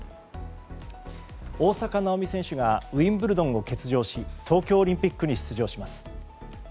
大坂なおみ選手がウィンブルドンを欠場し東京オリンピックに出場します。